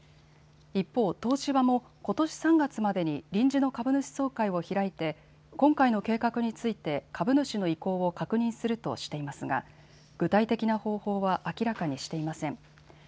一方、東芝もことし３月までに臨時の株主総会を開いて今回の計画について株主の意向を確認するとしていますが具体的な方法は明らかにしていません。